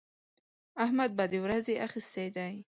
احمد بدې ورځې اخيستی دی.